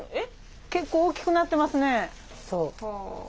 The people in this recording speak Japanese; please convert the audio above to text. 結構大きくなってますね。